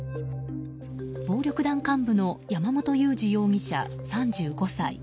暴力団幹部の山本裕二容疑者、３５歳。